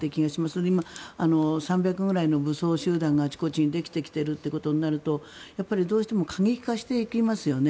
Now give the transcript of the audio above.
それで今３００ぐらいの武装集団があちこちにできてきているということになるとどうしても過激化していきますよね。